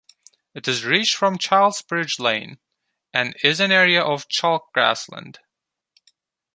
It is reached from Childsbridge Lane, and is an area of chalk grassland.